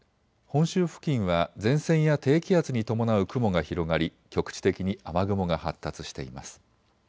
本州付近は前線や低気圧に伴う雲が広がり局地的に雨雲が発達しています。